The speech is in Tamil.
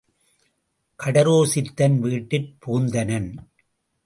கடோர சித்தன் வீட்டிற் புகுந்தனன்.